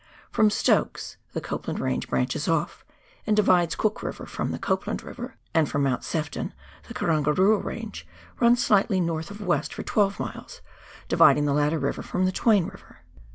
From Stokes the Cop land Range branches off, and divides Cook River from the Copland River, and from Mount Sefton, the Karangarua Range runs slightly north of west for 12 miles, dividing the latter river from the Twain River.